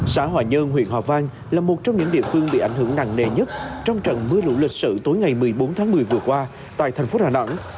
xã hòa nhơn huyện hòa vang là một trong những địa phương bị ảnh hưởng nặng nề nhất trong trận mưa lũ lịch sử tối ngày một mươi bốn tháng một mươi vừa qua tại thành phố đà nẵng